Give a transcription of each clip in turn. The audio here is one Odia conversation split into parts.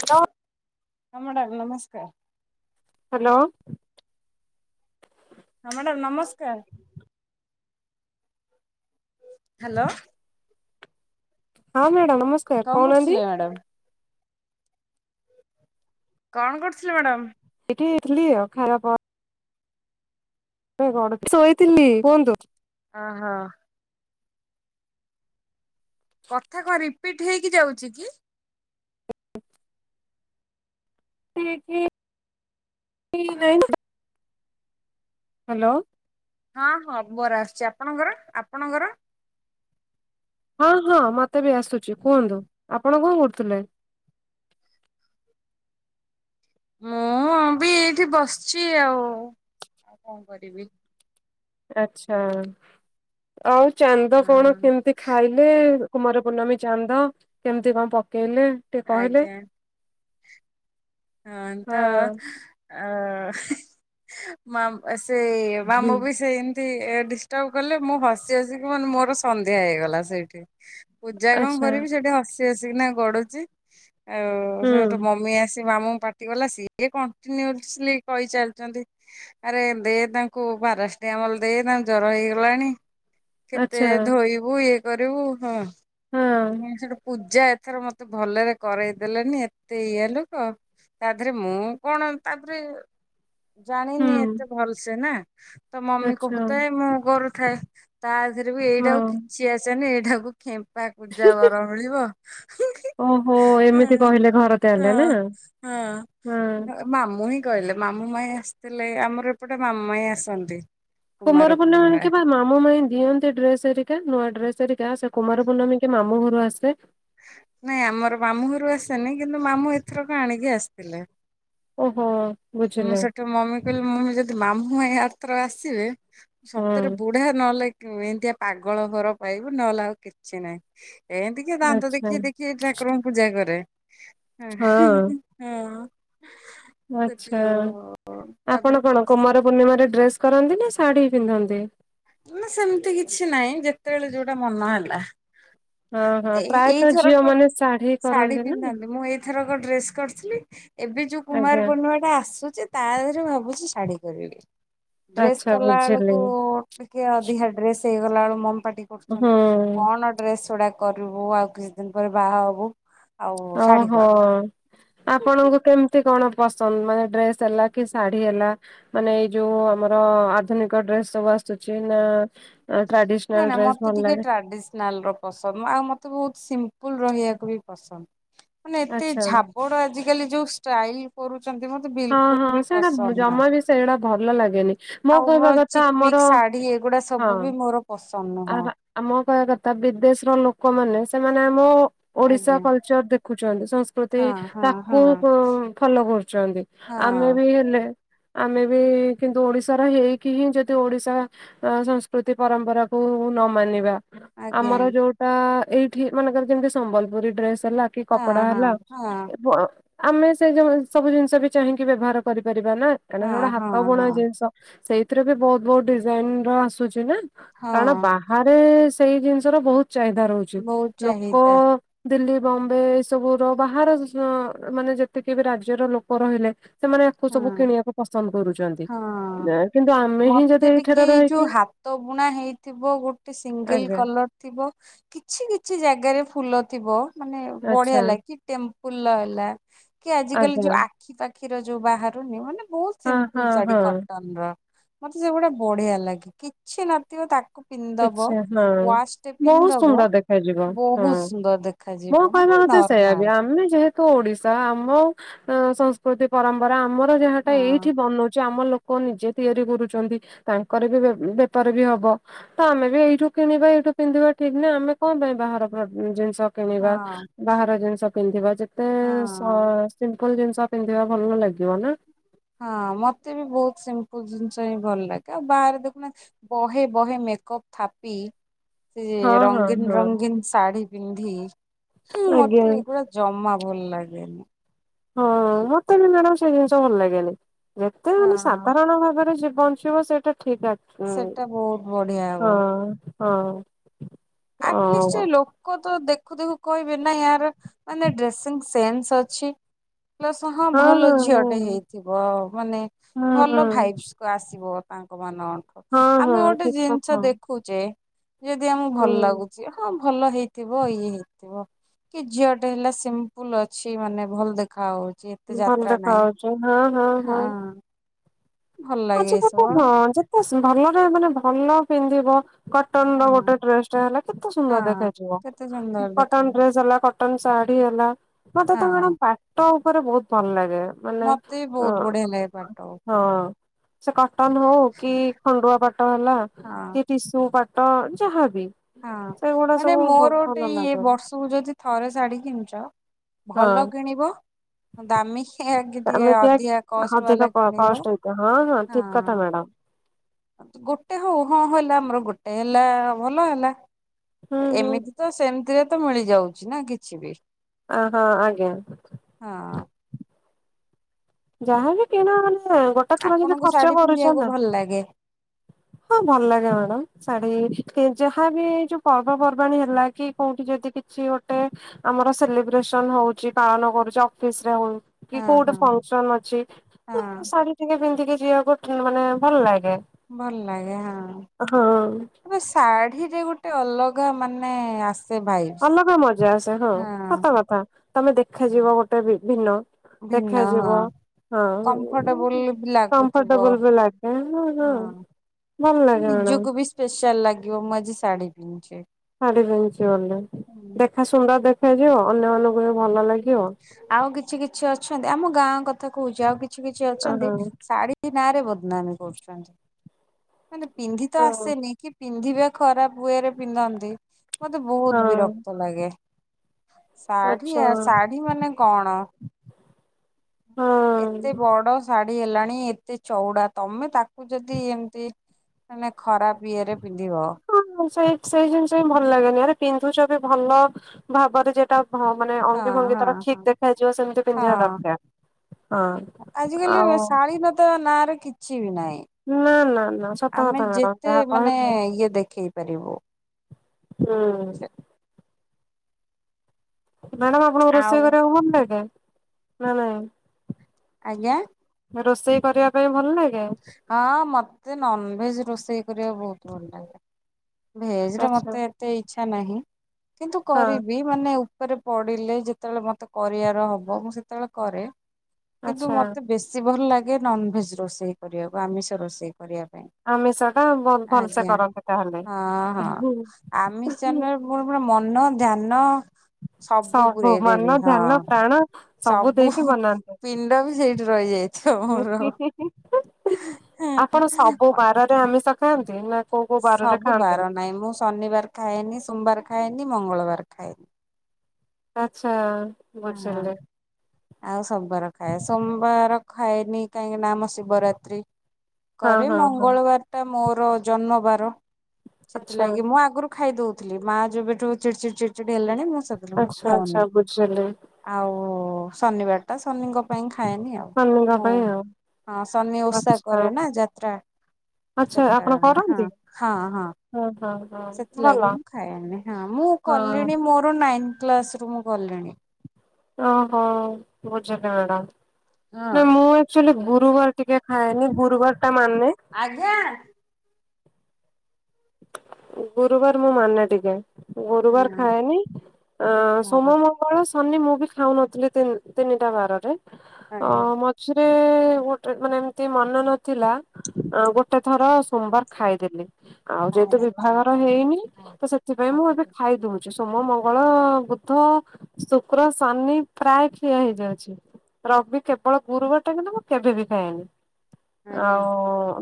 ହ୍ୟାଲୋ। ହଁ ମ୍ୟାଡ଼ାମ ନମସ୍କାର। ହ୍ୟାଲୋ। ହଁ ମ୍ୟାଡ଼ାମ ନମସ୍କାର। ହ୍ୟାଲୋ। ହଁ ମ୍ୟାଡ଼ାମ ନମସ୍କା କଣ କରୁଥିଲେ ମ୍ୟାଡ଼ାମ? କଣ କରୁଥିଲେ ମ୍ୟାଡ଼ାମ? ଏଇଠି ଥିଲି ଆଉ ଖାଇବା ପରେ ଗଡ ଶୋଇଥିଲି କୁହନ୍ତୁ? ହଁ ହଁ। କଥା କଣ ରିପିଟ୍ ହେଇକି ଯାଉଚି କି? ହେଇକି ହେଇନାଇଁ। ହ୍ୟାଲୋ। ହଁ ହଁ ବରା ଆସୁଛି ଆପଣଙ୍କର ଆପଣଙ୍କର? ହଁ ହଁ ମତେ ବି ଆସୁଛି କୁହନ୍ତୁ ଆପଣ କଣ କରୁଥିଲେ? ମୁଁ ବି ଏଇଠି ବସିଛି ଆଉ ଆଉ କଣ କରିବି? ଆଛା ଆଉ ଚାନ୍ଦ କଣ ହଁ କେମିତି ଖାଇ ଲେ କୁମାର ପୂର୍ଣ୍ଣମୀ ଚାନ୍ଦ କେମିତି କଣ ପକେଇଲେ? ଟିକେ କହିଲେ ଆଜ୍ଞା ହଁ ତ। ହଁ ଅ ମାମ ସେ ମାମୁ ବି ସେ ମିତି ଡିଷ୍ଟର୍ବ କଲେ ମୁଁ ହସି ହସିକି ମାନେ ମୋର ସନ୍ଧ୍ୟା ହେଇଗଲା ସେଇଠି। ପୂଜା କଣ ଆଚ୍ଛା କରିବି ସେଠି ହସି ହସିକିନା ଗଡୁଛି ଆଉ ହୁଁ ସେ ମମି ଆସି ସେ ମାମୁଁଙ୍କୁ ପାଟି କଲା ସିଏ କଣ୍ଟିନ୍ୟୁସ୍ଲି କହିଚାଲିଚନ୍ତି। ଆରେ ଦେ ତାଙ୍କୁ ପାରାଶିଟାମଲ ଦେ ତାଙ୍କୁ ଜ୍ଵର ହେଇଗଲାଣି। କେତେ ଆଚ୍ଛା ଧୋଇବୁ ଇଏ କରିବୁ ହଁ। ହଁ ସେଠି ପୂଜା ଏଥର ମତେ ଭଲରେ କରଇଦେଲେନି ଏତେ ଇଏ ଲୋକ ତା ଧିରେ ମୁଁ କଣ ତାପରେ ଜାଣିନି ହୁଁ ଏତେ ଭଲସେ ନା ତ ମମି ଆଚ୍ଛା କହୁଥାଏ ମୁଁ କରୁଥାଏ। ତା ଧିରେ ବି ହଁ ଏଇଟାକୁ କିଛି ଆସେନି ଏଇଟାକୁ ଖେମ୍ପା କୁଜା ବର ମିଳିବ ଓହୋ ଏମିତି ହଁ କହିଲେ ଘର ତାହେଲେ ନା ହଁ ହଁ ମାମୁଁ ହିଁ କହିଲେ ମାମୁଁ ମାଇଁ ଆସିଥିଲେ ଆମର ଏପଟେ ମାମୁ ମାଇଁ ଆସନ୍ତି। କୁମାର ପୂର୍ଣ୍ଣିମା ରେ କେବଳ ମାମୁ ମାଇଁ ଦିଅନ୍ତି ଡ୍ରେସ ହେରିକା ନୂଆ ଡ୍ରେସ ହେରିକା। ସେ କୁମାର ପୂର୍ଣମୀ କି ମାମୁ ଘରୁ ଆସେ। ନାଇଁ ଆମର ମାମୁଁ ଘରୁ ଆସେନି କିନ୍ତୁ ମାମୁଁ ଏଥରକ ଆଣିକି ଆସିଥିଲେ। ଓହୋ ମୁଁ ବୁଝିଲେ ସେଠୁ ମମି କି କହିଲି ମମି ଯଦି ମାମୁଁ ମାଇଁ ଆରଥରକ ଆସିବେ ସତରେ ହୁଁ ବୁଢା ନହେଲେ ଏମିତିଆ ପାଗଳ ଘର ପାଇବୁ ନହେଲେ ଆଉ କିଛି ନାହିଁ। ଏନ୍ତୀ କିଏ ଦାନ୍ତ ଆଚ୍ଛା ଦେଖେଇ ଦେଖେଇ ଠାକୁରଙ୍କୁ ପୂଜା କରେ। ହଁ ହୁଁ ଆଚ୍ଛା [unintelligible] ତାପରେ ଆପଣ କଣ କୁମାର ପୂର୍ଣ୍ଣିମାରେ ଡ୍ରେସ କରନ୍ତି ନା ଶାଢୀ ପିନ୍ଧନ୍ତି। ନା ସେମିତି କିଛି ନାହିଁ ଯେତେବେଳେ ଯୋଉଟା ମନ ହେଲା। ହଁ ହଁ ଏଇ ପ୍ରାୟତଃ ଝିଅ ଏଇଥରକ ମାନେ ଶା ଶାଢୀ ପିନ୍ଧନ୍ତି ମୁଁ ଏଇଥରକ ଡ୍ରେସ କରିଥିଲି ଏବେ ଯୋଉ କୁମାର ଆଜ୍ଞା ପୂର୍ଣ୍ଣିମା ଟା ଆସୁଚି। ତା ଧିରେ ଭାବୁଛି ଶାଢ଼ୀ କରିବି ଡ୍ରେସ୍ ଆଚ୍ଛା କଲା ବୁଝିଲି ବେଳକୁ ଟିକେ ଅଧିକା ଡ୍ରେସ ହେଇଗଲା ବେଳକୁ ମମି ପାଟି ହୁଁ କରୁଛନ୍ତି କଣ ଡ୍ରେସ ଗୁଡାକ କରିବୁ ଆଉ କିଛି ଦିନ ପରେ ବାହା ହବୁ। ଆଉ ଶାଢୀ ଓହୋ କର। ଆପଣଙ୍କୁ କେମିତି କଣ ପସନ୍ଦ ମାନେ ଡ୍ରେସ ହେଲା କି ଶାଢୀ ହେଲା। ମାନେ ଏଇ ଯୋଉ ଆମର ଆଧୁନିକ ଡ୍ରେସ୍ ସବୁ ଆସୁଛି ନା ଟ୍ରାଡିସନାଲ ଡ୍ରେସ ଭଲ ଲାଗେ। ଟ୍ରାଡିସ୍‌ନାଲର ପସନ୍ଦ ଆଉ ମତେ ବହୁତ ସିମ୍ପୁଲ ରହିବାକୁ ବି ପସନ୍ଦ ମାନେ ଏତେ ଆଚ୍ଛା। ଝାବ ମୋର ଆଜିକାଲି ଯୋଉ ଷ୍ଟାଇଲ କରୁଛନ୍ତି ମତେ ବିଲକୁଲ ବି ପସନ୍ଦ ନାହିଁ। ସେଗଡା ଭଲ ଲାଗେନି। ମୋ ଆଉ କହିବା କଥା ଆମର ଚିକମିକ ଶାଢୀ ଏଗୁଡା ହଁ ସବୁ ବି ମୋର ପସନ୍ଦ ଆ ନୁହଁ। ଆମ କହିବା କଥା ବିଦେଶର ଲୋକମାନେ ସେମାନେ ଆମ ଓଡିଶା ଆଜ୍ଞା କଲଚର ଦେଖୁଛନ୍ତି ସଂସ୍କୃ ସ୍କୃତି ହଁ ହଁ ତାକୁ ହଁ ଫଲୋ କରୁଛନ୍ତି ଆମେ ହଁ ବି ହେଲେ ଆମେ ବି କିନ୍ତୁ ଓଡିଶାର ହେଇକି ହିଁ ଯଦି ଓଡିଶା ଅ ସଂସ୍କୃତି ପରମ୍ପରାକୁ ନ ମାନିବା ଆଜ୍ଞା ଆମର ଯୋଉଟା ଏଇଠି ମନେକର ଯେମତି ସମ୍ବଲପୁରୀ ଡ୍ରେସ ହେଲା କି କପଡା ହଁ ହଁ ହେଲା ହଁ ଏବ ଆମେ ସେ ସବୁ ଜିନିଷ ବି ଚାହିଁକି ବ୍ୟବହାର କରିପାରିବା ନା କାହିଁକ ସେ ହଁ ଗୋଟେ ହଁ ହାତ ବୁଣା ହଁ ଜିନିଷ। ସେଇଥିରେ ବି ବହୁତ ବହୁତ ଡିଜାଇନ ର ଆସୁଛି ନା କାରଣ ହଁ ବା ବାରେ ସେଇ ଜିନିଷ ର ବହୁତ ଚାହିଦା ରହୁଛି ବହୁତ ଲୋକ ଚାହିଦା ଦିଲ୍ଲୀ ବମ୍ବେ ଏଇ ସବୁ ର ବାହାର ମାନେ ଯେତିକି ବି ରାଜ୍ୟର ଲୋକ ରହିଲେ ସେମାନେ ଆକୁ ହଁ ସବୁ କିଣିବାକୁ ପସନ୍ଦ କରୁଛନ୍ତି ହଁ କିନ୍ତୁ ଆମେ ହିଁ ଯଦି ଏଇଠାରେ ରହିକି ତ ବୁଣା ହେଇଥିବ ଗୋଟେ ସିଙ୍ଗଲ୍ ଆଜ୍ଞା କଲର୍ ଥିବ କିଛି କିଛି ଜାଗାରେ ଫୁଲ ଥିବ ମାନେ ବଢିଆ ଆଚ୍ଛା ଲାଗି ଟେମ୍ପୁଲ ହେଲା କି ଆଜି କାଲି ଯୋଉ ଆଜ୍ଞା ଆଖି ପାଖିର ଯୋଉ ବାହାରୁନି ମାନେ ବହୁତ ହଁ ସିମ୍ପଲ ହଁ ଶାଢୀ ହଁ କଟନ ର ମତେ ସେଗୁଡା ବଢିଆ ଲାଗେ କିଛି ନଥିବ ତା ପିନ୍ଧିଦବ କିଛି ହଁ। ୱାଚ୍ ଟେ ବହୁତ ପିନ୍ଧିଦବ ସୁନ୍ଦର ଦେଖାଯିବ ହଁ ବହୁତ ସୁନ୍ଦର ଦେ ମୋ କହିବା କଥା ସେଇୟା ବି ଆମେ ଯେହେ ତୁ ଓଡିଶା ଆମ ସଂସ୍କୃତି ପରମ୍ପରା ଆମର ଯାହାଟା ହଁ ଏଇଠି ବନଉଚୁ ଆମ ଲୋ କୋ ନିଜେ ତିଆରି କରୁଛନ୍ତି ତାଙ୍କର ବି ବେପାର ବି ହବ। ତ ଆମେ ବି ଏଇଠୁ କିଣିବା ଏଇଠୁ ପିନ୍ଧିବା ଠିକ୍ ନା ଆମେ କଣ ପାଇଁ ବାହାର ଜିନିଷ ହଁ କିଣିବା ବାହାର ଜିନିଷ ପିନ୍ଧିବା ଯେତେ ସ ହଁ। ସିମ୍ପଲ୍ ଜିନିଷ ପିନ୍ଧିବା ଭଲ ଲାଗିବ ନା। ହଁ ମତେ ବି ବହୁତ ସିମ୍ପଲ୍ ଜିନିଷ ହିଁ ଭଲ ଲାଗେ ଆଉ ବାହାରେ ଦେଖୁନା ବହେ ବହେ ମେକଅପ୍ ଥାପି ସେ ହଁ ହଁ ରଙ୍ଗୀନ୍‌ ହଁ ରଙ୍ଗୀନ୍‌ ଶାଢୀ ପିନ୍ଧି ହୁଁ ଆଜ୍ଞା। ମତେ ଏଗୁଡା ଜମା ଭଲ ଲାଗେନି। ହଁ ମତେ ବି ମ୍ୟାଡାମ୍ ସେଇ ଜିନିଷ ଭଲ ଲାଗେନି ଯେତେ ମାନେ ହଁ। ସାଧାରଣ ଭାବରେ ଜୀବନ ଚିଅ ସେଇଟା ଠିକ୍ ଅ ସେଟା ବହୁତ ବଢିଆ ହବ ହଁ ହଁ। ଓ ଆଟଲିଷ୍ଟ ସେ ଲୋକ ତ ଦେଖୁ ଦେଖୁ କହିବେ ନା ୟାର ମାନେ ଡ୍ରେସିଂସେନ୍ସ ଅଛି ପ୍ସ ହଁ ଭଲ ଝିଅ ଟେ ହେଇଥିବ ମାନେ ହୁଁ ହୁଁ ଭଲ ଭାଇସ୍‌ ତ ଆସିବ ତାଙ୍କ ମାନଙ୍କଠୁ ହଁ ହଁ ଆମେ ଗୋଟେ ଠିକ ଜିନିଷ କଥା ଦେଖୁଚେ ଯଦି ଆମେ ଭଲ ହୁଁ ଲାଗୁଚି ହଁ ଭଲ ହେଇଥିବ ଇଏ ହେଇଥିବ କି ଝିଅ ଟେ ହେଲା ସିମ୍ପଲ ଅଛି ମାନେ ଭଲ ଦେଖା ହୋଉଚି ଏତେ ଯାତ୍ରା ନାହିଁ। ଚେ ହଁ ହଁ ହଁ। ଭଲ ଲାଗେ ଆଜିିପା କୋ ଏସବୁ ହଁ ଯେତେ ଭଲରେ ମାନେ ଭଲ ପିନ୍ଧିବ କଟନ ର ହଁ ଗୋଟେ ଡ୍ରେସ ଟା ହେଲା କେତେ ହଁ ସୁନ୍ଦର ଦେଖାଯିବ କେତେ ସୁନ୍ଦର କଟନ ଦେଖାଯାଏ ଡ୍ରେସ ହେଲା କ କଟନ ଶାଢୀ ହେଲା ମତେ ତ ହଁ ମ୍ୟାଡମ୍ ବାଟ ଉପରେ ବହୁତ ଭଲ ଲାଗେ। ମାନେ ମତେ ବି ଅ ବହୁତ ବଢିଆ ଲାଗେ ପାଟ ହଁ। ଉପରେ ସେ କଟନ ହୋଉ କି ଖଣ୍ଡୁଆ ପାଟ ହେଲା ହଁ କି ଟିସୁ ପାଟ ଯାହାବି ହଁ ସେଗୁଡା ମାନେ ସବୁ ମୋର ଭଲ ଗୋଟେ ଇ ଲାଗେ ବର୍ଷ ତୁ ଯଦି ଥରେ ଶାଢ଼ୀ କିଣିଚ ହଁ ଭଲ କିଣିବ ଦାମୀକିଆ କି ଟିକିଏ ଆମେ କିଆ ଅଧିକା କଷ୍ଟ ବାଲା ଅଧିକ କିଣିବ କଷ୍ଟ ହେଇଥାଏ ହଁ। ଠିକ କଥା ମ୍ୟାଡାମ ଗୋଟେ ହୋଉ ହଁ ହେଲା ଆମର ଗୋଟେ ହେଲା ଭଲ ହେଲା ହୁଁ ହୁଁ ଏମିତି ତ ସେମିତିରେ ତ ମିଳିଯାଉଚି ନା କିଛି ବି। ଅ ହଁ ଆଜ୍ଞା। ହଁ। ଯାହାବି କିଣ ମାନେ ଗୋ ଆପଣଙ୍କୁ ଶାଢୀ ପିନ୍ଧିବାକୁ ଭଲ ଲାଗେ? ହଁ ଭଲ ଲାଗେ ମ୍ୟାଡାମ୍ ଶାଢୀ ଯାହା ବି ଯୋଉ ପର୍ବ ପର୍ବାଣୀ ହେଲା କି କୋଉଠି ଯଦି କି କିଛି ଗୋଟେ ଆମର ସେଲିବ୍ରେସନ ହୋଉଚି ପାଳନ କରୁଚୁ ଅଫିସ୍ ରେ ହୋଉ କି ହଁ ହଁ କୋଉଟେ ଫନ୍ସ ଅଛି ତ ହଁ ଶାଢୀ ଟିକେ ପିନ୍ଧିକି ଯିବାକୁ ମାନେ ଭଲ ଲାଗେ। ଭଲ ଲାଗେ ହଁ। ହଁ ତ ଶାଢୀରେ ଗୋଟେ ଅଲଗା ମାନେ ଆସ୍ ଅଲଗା ମଜା ଆସେ ହଁ ସତ କଥା ତମେ ଦେଖାଯିବ ଗୋଟେ ବିଭିନ୍ନ ଭିନ୍ନ ହଁ। ହଁ କମ୍ଫର୍ଟେବୁଲ ବି ଲାଗୁଥିବ କମ୍ଫର୍ଟେବଲ୍ ବି ଲାଗେ ହଁ ହଁ। ଭଲଲାଗେ ମ୍ୟାଡ଼ାମ୍। ନିଜକୁ ବି ସ୍ପେଶାଲ ଲାଗିବ ମୁଁ ଆଜି ଶାଢୀ ପିନ୍ଧିଛି। ଶାଢୀ ପିନ୍ଧିଛି ବୋଲି ଦେଖା ସୁନ୍ଦର ଦେଖାଯିବ ଅନ୍ୟମାନଙ୍କୁ ବି ଭଲ ଲାଗିବ ଆଉ କିଛି କିଛି ଅଛନ୍ତି ଆମ ଗାଁ କଥା କହୁଛି ଆଉ କିଛି କିଛି ଅ ଅଛନ୍ତି ହଁ ଶାଢ଼ି ସେ ନାଁ ରେ ବଦନାମୀ କରୁଛନ୍ତି ମାନେ ପିନ୍ଧି ତ ହଁ ଆସେନି କି? ପିନ୍ଧିବା ଖରାପ ୱେରେ ପିନ୍ଧନ୍ତି ମତେ ବହୁତ ହଁ ବିରକ୍ତ ଲାଗେ। ଶାଢୀ ଆଚ୍ଛା ଶାଢୀ ମାନେ କଣ? ଏତେ ହଁ। ବଡ ଶା ହେଲାଣି ଏତେ ଚଉଡା ତମେ ତାକୁ ଯଦି ଏମତି ମାନେ ଖରାପ ଇଏରେ ପିନ୍ଧିବ। ହଁ ସେଇ ସେଇ ଜିନିଷ ହିଁ ଭଲ ଲାଗେନି ଆରେ ପିନ୍ଧୁଛ ବି ଭଲ ଭାବରେ ଯେଟା ହଁ ମାନେ ହଁ ଅଙ୍ଗି ଭଙ୍ଗି ହଁ ତାର ହଁ। ଠିକ ଦେଖାଯିବ ସେମିତି ପିନ୍ଧିବା ହଁ ଦରକାର। ହଁ ଆଜିକାଲି ଆଉ ଶାଳୀନତା ନାଁରେ କିଛି ବି ନାହିଁ? ନା ନା ନା ସତ ଆମେ କଥା ମ୍ୟାଡାମ ଯେତେ ଯାହା ମାନେ କହିଲେ ଇଏ ଦେଖେଇ ପାରିବୁ। ହୁଁ। ମାଡ୍ୟାମ ଆପଣଙ୍କୁ ରୋଷେଇ ଆଉ କରିବାକୁ ଭଲ ଲାଗେ ନା ନାଇ? ଆଜ୍ଞା। ରୋଷେଇ କରିବା ପାଇଁ ଭଲ ଲାଗେ? ହଁ ମତେ ନନ ଭେଜ ରୋଷେଇ କରିବାକୁ ବହୁତ ଭଲ ଲାଗେ। ଭେଜରେ ଆଚ୍ଛା ମତେ ଏତେ ଇଚ୍ଛା ନାହିଁ କିନ୍ତୁ ହଁ କରିବି। ମାନେ ଉପରେ ପଡିଲେ ଯେତେବେଳେ ମତେ କରିବାର ହବ ମୁଁ ସେତେବେଳେ କରେ। କିନ୍ତୁ ଆଚ୍ଛା। ମତେ ବେଶୀ ଭଲ ଲାଗେ ନନଭେଜ ରୋଷେଇ କରିବାକୁ ଆମିଷ ରୋଷେଇ କରିବା ପାଇଁ। ଆମିଷ ଟା ବହୁତ ଭଲସେ ଆଜ୍ଞା କରନ୍ତି ତାହେଲେ। ହଁ ହଁ ଆମିଷ [inaudible] ମୁଁ ପୁରା ମନ ଧ୍ୟାନ ସବୁ ପୁରେଇ ଦେବି ମନ ହଁ ଧ୍ୟାନ ପ୍ରାଣ ସବୁ ଦେଇକି ବନାନ୍ତି। ପିଣ୍ଡ ବି ସେଇଠି ରହିଯାଏ। [unintelligible] ଆପଣ ସବୁ ବାରରେ ଆମିଷ ଖାଆନ୍ତି ନା କୋଉ କୋଉ ବାରରେ ଖାଆନ୍ତିନି? ନାଇ ମୁଁ ଶନିବାର ଖାଏନି ସୋମବାର ଖାଏନି ମଙ୍ଗଳବାର ଖାଏନି। ଆଚ୍ଛା। ହଁ। ବୁଝିଲି ଆଉ ସବୁବାର ଖାଏ ସୋମବାର ଖାଏନି କାହିଁକି ନା ଆମ ଶିବରାତ୍ରି। ହଁ କରେ ହଁ ହଁ ମଙ୍ଗଳବାରଟା ମୋର ଜନ୍ମବାର ଆଚ୍ଛା। ସେଥିଲାଗି ମୁଁ ଆଗୁରୁ ଖାଇଦଉଥିଲି ମା ଯେବେଠୁ ଚିଡଚିଡି ଚିଡଚିଡ୍ ହେଲାଣି ମୁଁ ସେତେବେଳଠୁ ଆଚ୍ଛା ଖାଉନି। ଆଚ୍ଛା ବୁଝିଲି? ଆଉ ଶନିବାରଟା ଶନିଙ୍କ ପାଇଁ ଖାଏନି ଆଉ ସ୍ୱାମୀଙ୍କ ହଁ ପାଇଁ ଆଉ ହଁ ସନି ଓଷା ଆଚ୍ଛା। କରେ ନା ଯାତ୍ରା। ସେଟା ହଁ ହଁ ହଁ। ଓ ହଁ। ହଁ ଭଲ ସେଥିଲାଗି ମୁଁ ଖାଏନି ହଁ ମୁଁ ହଁ। କଲିଣି ମୋର ନାଇନ୍ କ୍ଲାସ ରୁ ମୁଁ କଲିଣି। ଓହୋ ବୁଝିଲି ମ୍ୟାଡ଼ାମ୍। ହଁ। ଆକଚୁଆଲି ଗୁରୁବାର ଟିକେ ଖାଏନି ଗୁରୁବାରଟା ମାନେ ଆଜ୍ଞା। ଗୁରୁବାର ମୁଁ ମାନେ ଟିକେ ହଁ ଗୁରୁବାର ଖାଏନି ଆ ହଁ ସୋମ ମଙ୍ଗଳ ବଳ ଶନି ମୁଁ ବି ଖାଉନଥିଲି ତିନ ତିନିଟା ବାରରେ ଆଜ୍ଞା ମ ଝିରେ ଗୋଟେ ମାନେ ଏମତି ମନେ ନଥିଲା। ଗୋଟେ ଥର ସୋମବାର ଖାଇଦେଲି। ଆଉ କାଳେ ଯେହେତୁ ଡାକିଛନ୍ତି ବିବାଘର କାଳେ। ହେଇନି ହଁ ତ ସେଥିପାଇଁ ମୁଁ ଏବେ ଡାକିଛନ୍ତି ଖାଇଦଉଛି। ସୋମ ମଙ୍ଗଳ ବୁଦ୍ଧ ଶୁକ୍ର ଶନି ପ୍ରାୟ ଖିଆ ହେଇଯାଉଛି। ରବି କେବଳ ଗୁରୁବାରଟା କିନ୍ତୁ ମୁଁ କେବେ ବିି ଖାଏନି। ଆଜ୍ଞା ଆଉ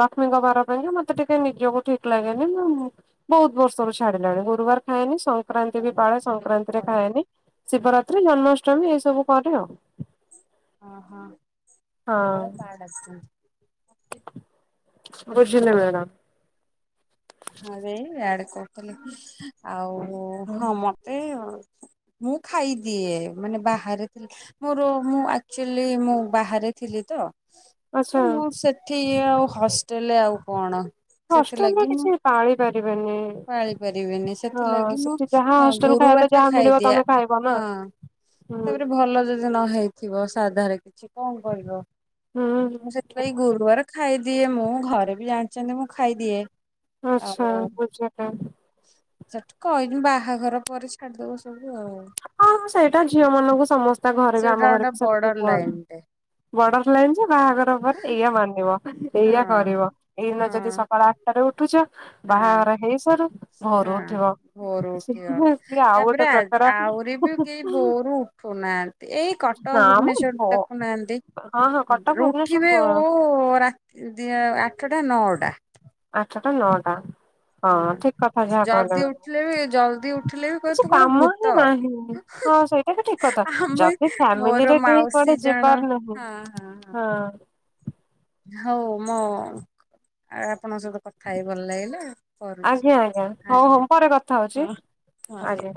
ଲକ୍ଷ୍ମୀଙ୍କ ବାର ପାଇଁକା ମତେ ଟିକେ ନିଜକୁ ଠିକ କ ଲାଗେନି ମୁ ବହୁତ ବର୍ଷରୁ ଛାଡିଲିଣି ଗୁରୁବାର ଖାଏନି। ସଂକ୍ ସଂକ୍ରାନ୍ତି ବି ପାଳେ ସଂକ୍ରାନ୍ତିରେ ଖାଏନି ଶିବରାତ୍ରୀ ଜନ୍ମା ଷ୍ଟୀ ଏସବୁ କରେ ଆଉ ହଁ। ଆସିଛନ୍ତି। ବୁଝିଲି ମ୍ୟାଡ଼ାମ। ହଁ ଯେ ଇଆଡେ କହୁଥିଲେ କି ଆଉ ହଁ ମତେ ମୁଁ ଖାଇଦିଏ ମାନେ ବାହାରେ ମୋର ମୁଁ ଆକ୍ଚୁଅଲି ମୁଁ ବାହାରେ ଥିଲି ତ। ଆଚ୍ଛା ମୁଁ ସେଠି ଇଏ ଆଉ ହଷ୍ଟେଲରେ ଆଉ କଣ। ହଷ୍ଟେଲରେ ସେଥିଲାଗି ମୁଁ କିଛି ପାଳି ପାରିବେନି ପାଳି ପାରିବିନି ହଁ ସେଥିଲାଗି ମୁଁ ସେଠି ଯାହା ହଷ୍ଟେଲ ଖାଇବା ଗୁରୁବାର ତ ଟା ଯାହା ମିଳିବ ଖାଇଦିଏ ତମେ ଖାଇବ ନା। ହଁ ହୁଁ ତାପରେ ଭଲ ଯଦି ନ ହେଇଥିବ ସାଧାରେ କିଛି କଣ କରିବ। ହୁଁ। ମୁ ସେଥିପାଇଁ ଗୁରୁବାର ଖାଇଦିଏ ମୁଁ ଘରେ ବି ଜାଣିଛନ୍ତି ମୁଁ ଖାଇଦିଏ। ଆଚ୍ଛା ଆଉ ବୁଝିଲି। ସେଠି କହିନି ବାହାଘର ପରେ ଛାଡିଦବ ସବୁ ଆଉ। ହଁ ସେଇଟା ଝିଅ ମାନଙ୍କୁ ସମସ୍ତେ ତା ଘରେ ବି ସେଇଟା ଆମ ଘରେ ଗୋଟେ ବି ସେମତି ବର୍ଡର କୁହନ୍ତି। ଲାଇନ ଟେ ବର୍ଡର ଲାଇନ ଯେ ବାହାଘର ପରେ ଏଇଆ ମାନିବ। ଏଇଆ ହଁ କରିବ ଏଇଦିନ ଯଦି ହଁ ସକାଳ ଆଠଟାରେ ଉଠୁଛ ହଁ ବାହାଘର ହେଇସାରୁ ଭୋରୁ ହଁ। ଉଠିବ। ଭୋରୁ ସେ ଉଠିବ। ଆଉ ଗୋଟେ ତାପରେ ଆ ପ୍ରକାର ଆହୁରି ବି କେହି ଭୋରୁ ଉଠୁନାହାନ୍ତି ଏଇ କଟକ ନା ମ ଭୁବନେଶ୍ଵର ଭ ଦେଖୁନାହାନ୍ତି। ହଁ ହଁ କଟକ ଉଠିବେ ଭୁବନେଶ୍ଵର ଓ ରାତି ଦି ଆଠଟା ନଅଟା। ଆଠଟା ନଅଟା। ହଁ ଠିକ କଥା ଯାହା ଜଲଦି କହିଲ। ଉଠିଲେ ବି ଜଲଦି ଉଠିଲେ ବି କହିବେ କିଛି ତୁ କଣ କାମ ହିଁ ଭୂତ। ନାହିଁ ହଁ ସେ ଏଟା ଠିକ କଥା ଆମେ ଯଦି ମୋର ଫ୍ୟାମିଲିରେ କେହି ମାଉସୀ କୁଆଡେ ଜଣ ଯିବାର ନାହିଁ ହଁ ହଁ ହୋଉ ମୁଁ ଆପଣଙ୍କ ସହିତ କଥା ହେଇ ଭଲ ଲାଗିଲା। କରୁଛି ଆଜ୍ଞା ଆଜ୍ଞା ହଁ ଆଜ୍ଞା। ହଉ ପରେ କଥା ହଉଛି ହଁ ଆଜ୍ଞା।